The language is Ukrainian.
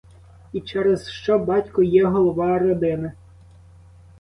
І через що батько є голова родини?